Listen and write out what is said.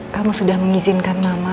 kamu sudah mengizinkan mama